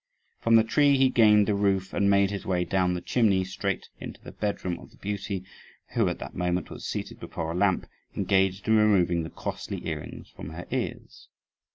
From the tree he gained the roof, and made his way down the chimney straight into the bedroom of the beauty, who at that moment was seated before a lamp, engaged in removing the costly earrings from her ears.